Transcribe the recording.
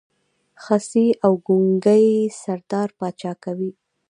خصي او ګونګی سردار پاچا کوي.